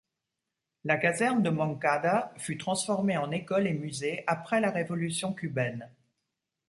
La caserne de Moncada fut transformée en école et musée après la Révolution cubaine.